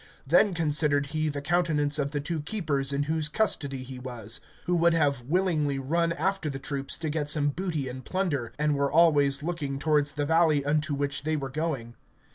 Then considered he the countenance of the two keepers in whose custody he was, who would have willingly run after the troops to get some booty and plunder, and were always looking towards the valley unto which they were going.